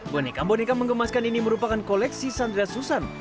boneka boneka mengemaskan ini merupakan koleksi sandra susan